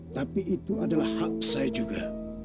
tapi itu adalah hak saya juga